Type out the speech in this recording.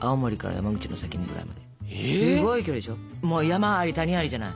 山あり谷ありじゃない。